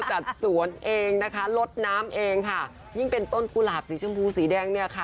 จัดสวนเองนะคะลดน้ำเองค่ะยิ่งเป็นต้นกุหลาบสีชมพูสีแดงเนี่ยค่ะ